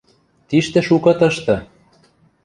Тиштӹ шукы тышты.